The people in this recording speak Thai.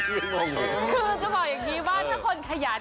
คือจะบอกอย่างนี้ว่าถ้าคนขยัน